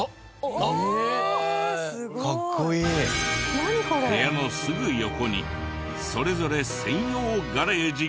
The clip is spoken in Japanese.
部屋のすぐ横にそれぞれ専用ガレージが。